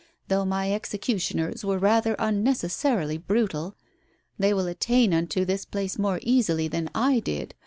Though my executioners were rather unnecessarily brutal. They will attain unto this place more easily than I did.